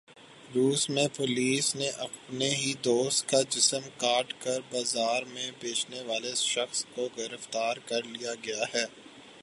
روس میں پولیس نے اپنے ہی دوست کا جسم کاٹ کر بازار میں بیچنے والے شخص کو گرفتار کرلیا گیا ہے